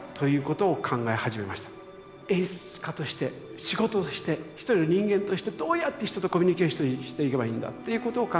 演出家として仕事として一人の人間としてどうやって人とコミュニケーションしていけばいいのだということを考えて。